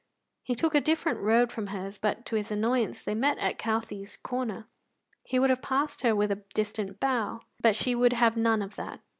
He took a different road from hers, but, to his annoyance, they met at Couthie's corner. He would have passed her with a distant bow, but she would have none of that.